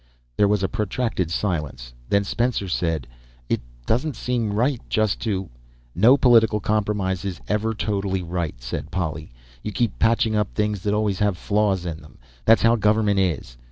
There was a protracted silence; then Spencer said: "It doesn't seem right just to " "No political compromise is ever totally right," said Polly. "You keep patching up things that always have flaws in them. That's how government is."